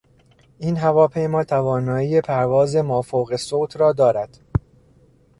این هواپیما توانایی پرواز مافوق صوت را دارد.